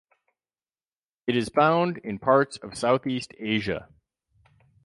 It is found in parts of Southeast Asia.